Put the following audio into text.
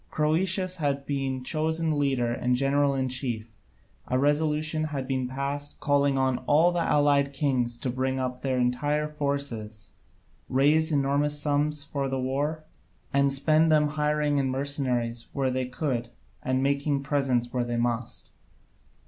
Croesus had been chosen leader and general in chief; a resolution had been passed, calling on all the allied kings to bring up their entire forces, raise enormous sums for the war, and spend them in hiring mercenaries where they could and making presents where they must.